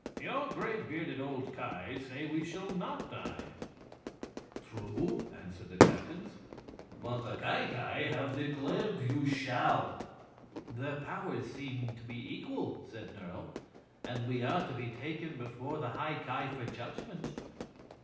"Your gray bearded old Ki say we shall not die." "True," answered the captains. "But the Ki Ki have declared you shall." "Their powers seem to be equal," said Nerle, "and we are to be taken before the High Ki for judgment."